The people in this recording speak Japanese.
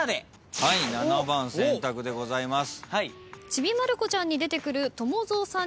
『ちびまる子ちゃん』に出てくる。